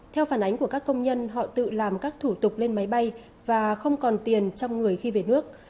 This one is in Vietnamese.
theo phản ánh của các công nhân họ tự làm các thủ tục lên máy bay và không còn tiền trong người khi về nước